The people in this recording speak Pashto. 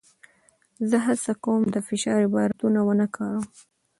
زه هڅه کوم د فشار عبارتونه ونه کاروم.